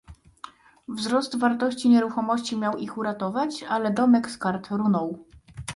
Wzrost wartości nieruchomości miał ich uratować, ale domek z kart runął